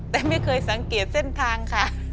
แต่ไม่เคยสังเกตเส้นทางค่ะ